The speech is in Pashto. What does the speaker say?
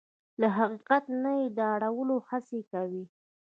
له حقیقت نه يې د اړولو هڅې کوي.